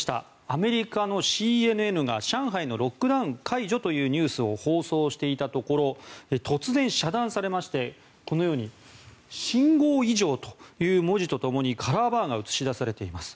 アメリカのＣＮＮが上海のロックダウン解除というニュースを放送していたところ突然、遮断されましてこのように信号異常という文字と共にカラーバーが映し出されれています。